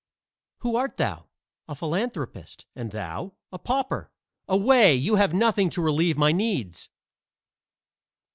"Who art thou?" "A philanthropist. And thou?" "A pauper." "Away! you have nothing to relieve my needs."